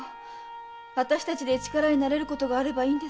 私たちで力になれることがあればいいんですけど。